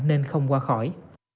nên không qua khỏi